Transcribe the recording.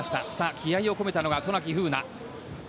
気合を込めたのが渡名喜風南。